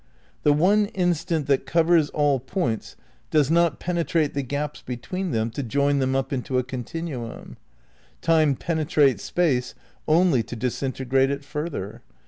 The one in stant that covers all points does not penetrate the gaps between them to join them up into a continuum; Time penetrates Space only to disintegrate it further.